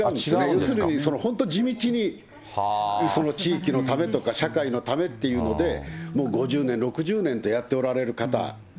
要するに本当に地道に地域のためとか、社会のためっていうので、５０年、６０年とやっておられる方。